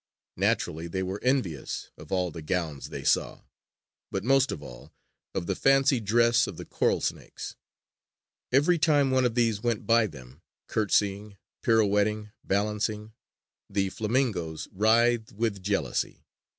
Naturally they were envious of all the gowns they saw, but most of all, of the fancy dress of the coral snakes. Every time one of these went by them, courtesying, pirouetting, balancing, the flamingoes writhed with jealousy.